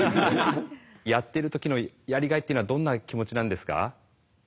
やってる時のやりがいっていうのはどんな気持ちなんですか？